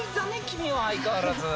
君は相変わらず。